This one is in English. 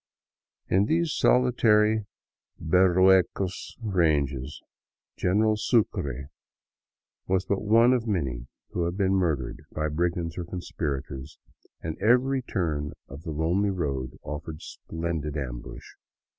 In these solitary Berruecos ranges General Sucre was but one of many who had been murdered by brigands or conspirators, and every turn of the lonely road offered splendid ambush.